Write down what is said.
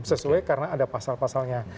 sesuai karena ada pasal pasalnya